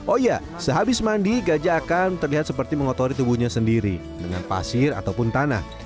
oh ya sehabis mandi gajah akan terlihat seperti mengotori tubuhnya sendiri dengan pasir ataupun tanah